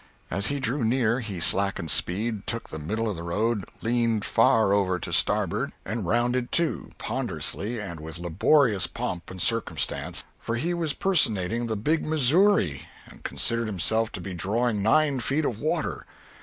As he drew near, he slackened speed, took the middle of the street, leaned far over to starboard and rounded to ponderously and with laborious pomp and circumstance—for he was personating the Big Missouri, and considered himself to be drawing nine feet of water.